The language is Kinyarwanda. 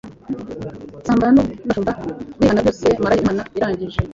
nsambana n’abashumba, ndihana byose marayo Imana irangije